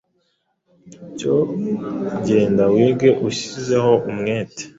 Cyo genda wige ushyizeho umwete;